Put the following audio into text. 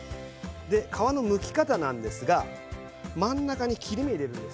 で皮のむき方なんですが真ん中に切れ目入れるんです。